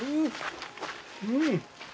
うん！